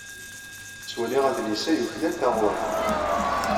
Ttwaliɣ adlis-a yuklal taɣuri.